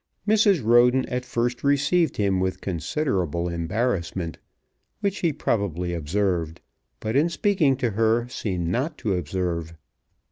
Mrs. Roden at first received him with considerable embarrassment, which he probably observed, but in speaking to her seemed not to observe.